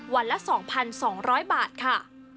วันละ๒๒๐๐บาทค่ะ